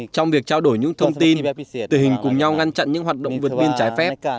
trong việc trao đổi những thông tin tử hình cùng nhau ngăn chặn những hoạt động vượt biên trái phép